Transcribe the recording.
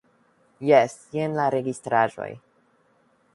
Jes, jen la registraĵoj.